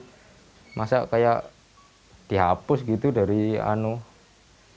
sangat kecewa masa tidak dianggap meninggal karena covid sembilan belas